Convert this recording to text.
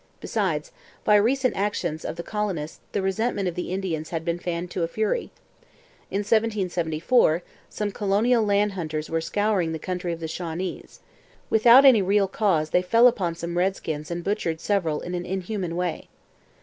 Besides, by recent actions of the colonists, the resentment of the Indians had been fanned to a fury. In 1774 some colonial land hunters were scouring the country of the Shawnees. Without any real cause they fell upon some redskins and butchered several in an inhuman way.